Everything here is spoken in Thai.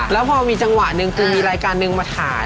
แล้วพอมีจังหวะหนึ่งคือมีรายการหนึ่งมาถ่าย